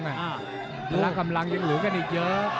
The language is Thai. กำลังยังเหลือกันอีกเยอะ